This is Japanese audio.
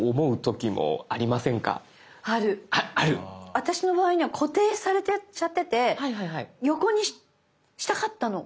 私の場合には固定されちゃってて横にしたかったの。